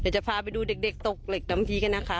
จะพาไปดูเด็กตกเหล็กดำพีกันนะคะ